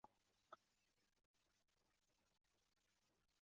讷沙托站位于讷沙托市区的西北部。